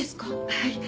はい。